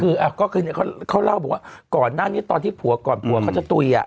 เฉพาะก็คือเค้าเล่าก่อนหน้านี้เตอร์ที่ผัวก่อนผัวเค้าจะตูยอ่ะ